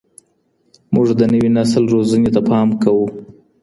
موږ د نوي نسل روزنې ته پام کوو.